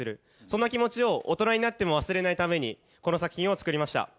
そんな気持ちを大人になっても忘れないためにこの作品を作りました。